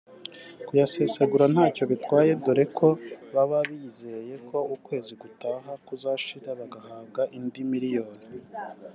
kuyasesagura ntacyo bitwaye dore ko baba bizeye ko ukwezi gutaha kuzashira bagahabwa indi miliyoni